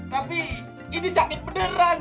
tapi ini sakit beneran